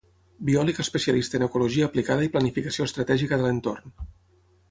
Biòleg especialista en ecologia aplicada i planificació estratègica de l’entorn.